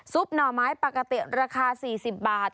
ซุปหน่อไม้ปากกะเตี๋ยวราคา๔๐บาท